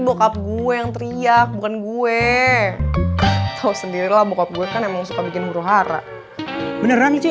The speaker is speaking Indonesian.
bokap gue yang teriak bukan gue tahu sendirilah bokap gue kan emang suka bikin huru hara beneran sih